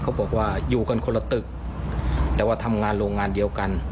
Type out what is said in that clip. เขาบอกว่าอยู่กันคนละตึกแต่ว่าทำงานโรงงานเดียวกัน